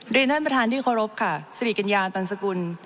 ดำเต็มถางตรีขโรภค่ะสรีกัญญาตรร๑สกุล